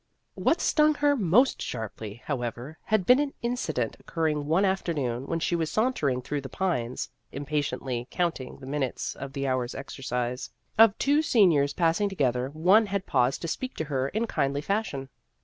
What stung her most sharply, how ever, had been an incident occurring one afternoon when she was sauntering through the Pines, impatiently counting the minutes of the hour's exercise. Of two seniors passing together, one had paused to speak to her in kindly fashion.